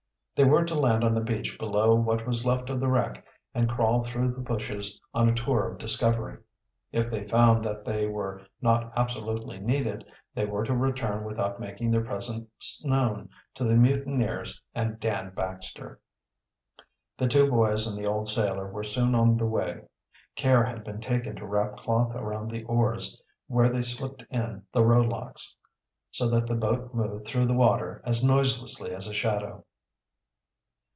They were to land on the beach below what was left of the wreck and crawl through the bushes on a tour of discovery. If they found that they were not absolutely needed, they were to return without making their presence known to the mutineers and Dan Baxter. The two boys and the old sailor were soon on the way. Care had been taken to wrap cloth around the oars where they slipped in the row locks, so that the boat moved through the water, as noiselessly as a shadow.